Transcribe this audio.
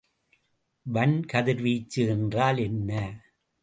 வன்கதிர்வீச்சு என்றால் என்ன?